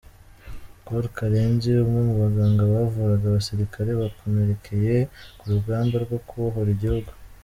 Col Karenzi, umwe mu baganga bavuraga abasirikare bakomerekeye ku rugamba rwo kubohora igihugu.